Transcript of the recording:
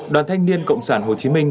đoàn thanh niên cộng sản hồ chí minh